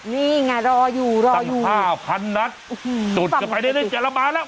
นี่ไงรออยู่รออยู่ตั้ง๕๐๐๐นัดจุดจะไปได้ได้๗ละบาทแล้ว